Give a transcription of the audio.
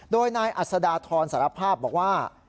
โดยนายอัศดาทรสารภาพบอกว่า